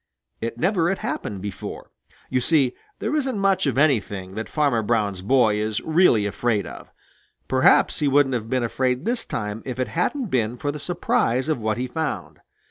It never had happened before. You see, there isn't much of anything that Farmer Brown's boy is really afraid of. Perhaps he wouldn't have been afraid this time if it hadn't been for the surprise of what he found.